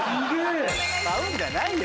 買うんじゃないよ